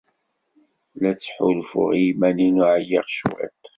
La ttḥulfuɣ i yiman-inu ɛyiɣ cwiṭ.